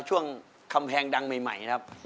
ช่วงคำแพงดังใหม่นะครับ